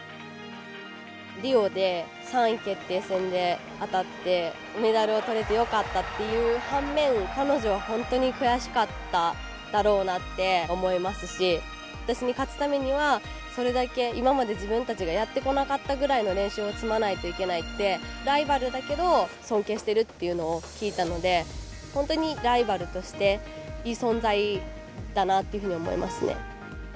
リオで３位決定戦で当たってメダルを取れてよかったっていう反面彼女は本当に悔しかっただろうなって思いますし私に勝つためにはそれだけ今まで自分たちがやってこなかったぐらいの練習を積まないといけないってライバルだけど尊敬してるっていうのを聞いたので本当にライバルとしていい存在だなっていうふうに思いますね。